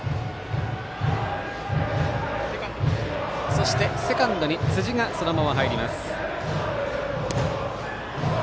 そして、セカンド、辻がそのまま入ります。